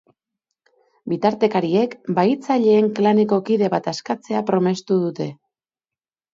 Bitartekariek bahitzaileen klaneko kide bat askatzea promestu dute.